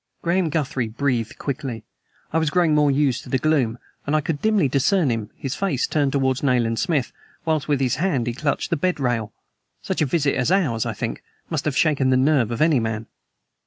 Graham Guthrie breathed quickly. I was growing more used to the gloom, and I could dimly discern him, his face turned towards Nayland Smith, whilst with his hand he clutched the bed rail. Such a visit as ours, I think, must have shaken the nerve of any man.